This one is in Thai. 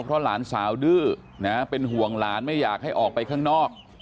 เพราะหลานสาวดื้อนะเป็นห่วงหลานไม่อยากให้ออกไปข้างนอก